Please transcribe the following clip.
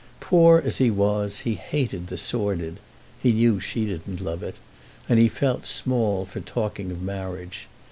Poor as he was he hated the sordid (he knew she didn't love it), and he felt small for talking of marriage.